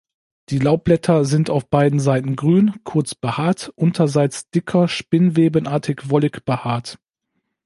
Die Laubblätter sind auf beiden Seiten grün, kurz behaart, unterseits dicker spinnwebenartig-wollig behaart.